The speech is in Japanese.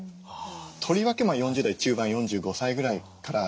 とりわけ４０代中盤４５歳ぐらいからですね。